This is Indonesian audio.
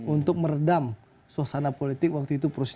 untuk meredam suasana politik waktu itu